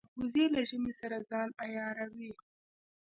وزې له ژمې سره ځان عیاروي